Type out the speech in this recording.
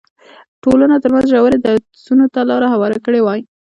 ټولنو ترمنځ ژورو درزونو ته لار هواره کړې وای.